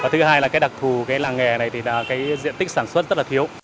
thứ hai là đặc thù làng nghề này diện tích sản xuất rất thiếu